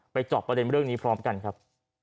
เจาะประเด็นเรื่องนี้พร้อมกันครับ